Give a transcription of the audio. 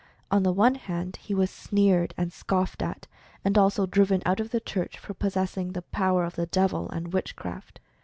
On the one hand he was sneered and scoffed at, and also driven out of the church for possessing "the power of the devil," and "witchcraft."